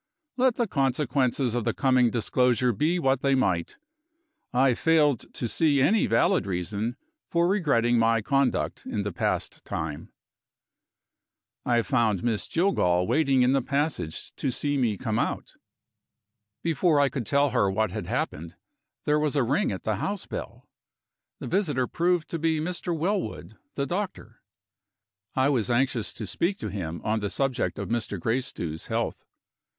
let the consequences of the coming disclosure be what they might, I failed to see any valid reason for regretting my conduct in the past time. I found Miss Jillgall waiting in the passage to see me come out. Before I could tell her what had happened, there was a ring at the house bell. The visitor proved to be Mr. Wellwood, the doctor. I was anxious to speak to him on the subject of Mr. Gracedieu's health.